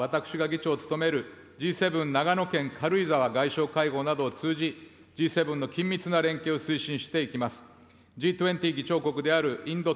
長野県軽井沢外相会合などを通じ、Ｇ７の緊密な連携を推進していきます。